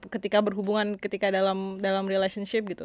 ketika berhubungan ketika dalam relationship gitu